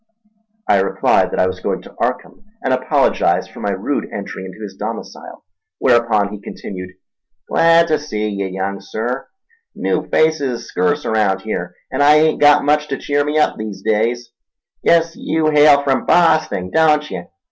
I replied that I was going to Arkham, and apologised for my rude entry into his domicile, whereupon he continued. "Glad ta see ye, young Sir—new faces is scurce arount here, an' I hain't got much ta cheer me up these days. Guess yew hail from Bosting, don't ye?